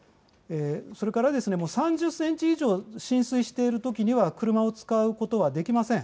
それから３０ｃｍ以上浸水している時には車を使うことはできません。